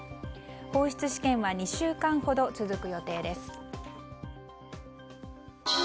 放出試験は２週間ほど続く予定です。